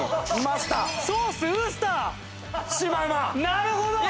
なるほど！